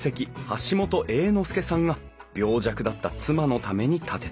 橋本英之助さんが病弱だった妻のために建てた。